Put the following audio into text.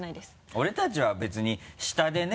俺たちは別に下でね。